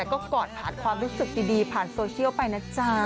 ก็กอดผ่านความรู้สึกดีผ่านโซเชียลไปนะจ๊ะ